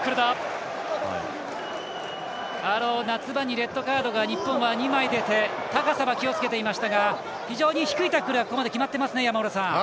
夏場にレッドカードが日本は２枚出て高さは気をつけていましたが非常に低いタックルがここまで決まっていますね。